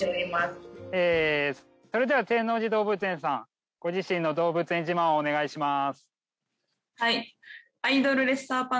それでは天王寺動物園さんご自身の動物園自慢をお願いします。